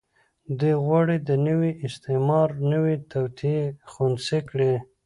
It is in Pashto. دوی غواړي د نوي استعمار نوې توطيې خنثی کړي.